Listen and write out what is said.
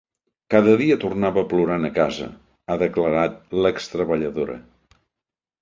Cada dia tornava plorant a casa, ha declarat l’ex-treballadora.